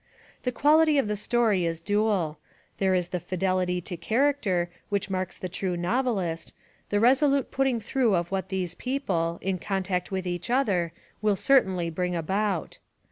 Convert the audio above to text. The quality of the story is dual. There is the fidelity to character which marks the true novelist, the 264 THE WOMEN WHO MAKE OUR NOVELS resolute putting through of what these people, in con tact with each other, will certainly bring about.